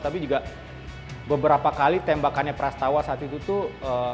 tapi juga beberapa kali tembakannya prastawa saat itu tuh